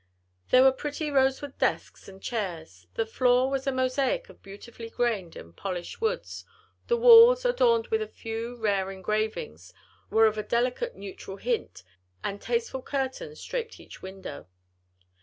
There were pretty rosewood desks and chairs, the floor was a mosaic of beautifully grained and polished woods, the walls, adorned with a few rare engravings, were of a delicate neutral tint, and tasteful curtains draped each window.